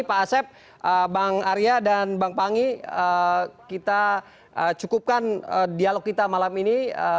pak asep bang arya dan bang pangi kita cukupkan dialog kita malam ini